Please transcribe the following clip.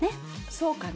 そうかな？